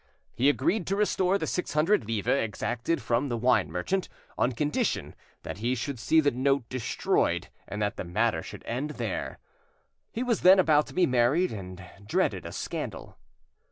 He agreed to restore the six hundred livres exacted from the wine merchant, on condition that he should see the note destroyed and that the matter should end there. He was then about to be married, and dreaded a scandal.